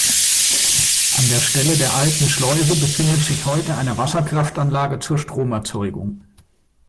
An der Stelle der alten Schleuse befindet sich heute eine Wasserkraftanlage zur Stromerzeugung.